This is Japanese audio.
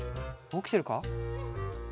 おきてるか？